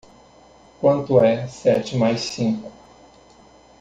Quanto é sete mais cinco.